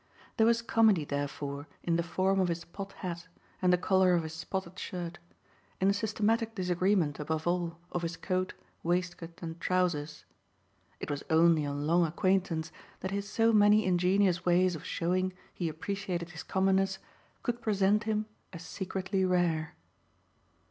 There was comedy therefore in the form of his pot hat and the colour of his spotted shirt, in the systematic disagreement, above all, of his coat, waistcoat and trousers. It was only on long acquaintance that his so many ingenious ways of showing he appreciated his commonness could present him as secretly rare.